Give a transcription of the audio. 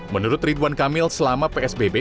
menurut ridwan kamil selama psbb